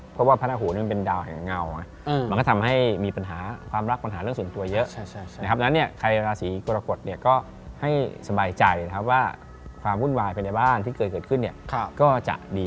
เพราะว่าพระราโหเป็นดาวแห่งเงามันก็ทำให้มีปัญหาความรักปัญหาเรื่องส่วนตัวเยอะ